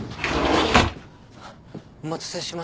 お待たせしました。